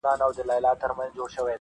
په خندا کي یې و زوی ته و ویله,